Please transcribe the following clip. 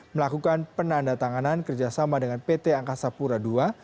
melakukan penanda tanganan kerjasama dengan pt angkasa pura ii